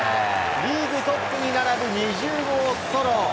リーグトップに並ぶ２０号ソロ。